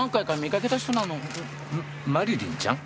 マリリンちゃん？